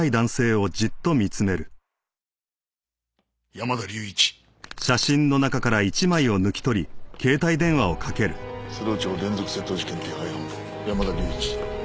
山田隆一鶴尾町連続窃盗事件手配犯山田隆一。